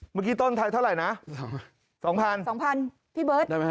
เมื่อกี้ต้นเท่าไหร่นะสองพันพี่เบิร์ตให้มากกว่านี้ไหมได้ไหม